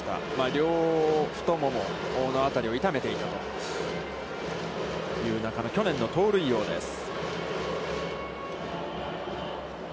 両太ももの辺りを痛めてという中野、去年の盗塁王です。